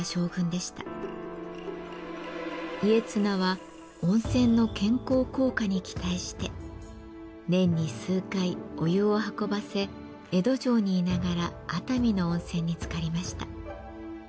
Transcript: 家綱は温泉の健康効果に期待して年に数回お湯を運ばせ江戸城にいながら熱海の温泉につかりました。